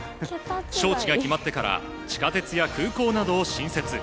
招致が決まってから地下鉄や空港などを新設。